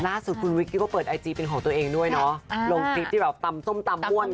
ล่าสุดคุณวิกกี้ก็เปิดไอจีเป็นของตัวเองด้วยเนาะลงคลิปที่แบบตำส้มตำม่วน